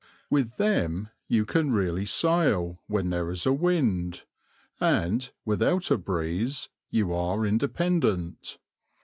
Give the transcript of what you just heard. With them you can really sail, when there is a wind; and, without a breeze, you are independent.